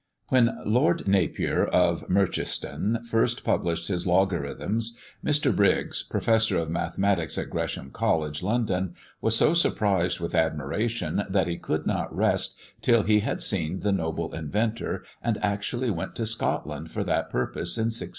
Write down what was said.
When Lord Napier (of Merchiston) first published his Logarithms, Mr. Briggs, Professor of Mathematics at Gresham College, London, was so surprised with admiration, that he could not rest till he had seen the noble inventor, and actually went to Scotland for that purpose in 1615.